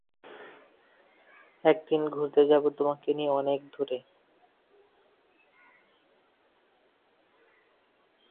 এরফলে বিশ্বকাপে শুধুমাত্র টেস্টভূক্ত দেশগুলোর জন্যই নির্ধারিত থাকবে না।